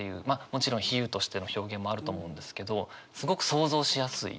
もちろん比喩としての表現もあると思うんですけどすごく想像しやすい。